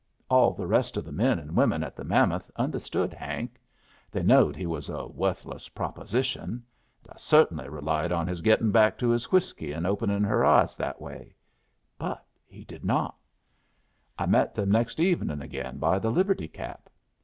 All the rest of the men and women at the Mammoth understood Hank. They knowed he was a worthless proposition. And I cert'nly relied on his gettin' back to his whiskey and openin' her eyes that way. But he did not. I met them next evening again by the Liberty Cap.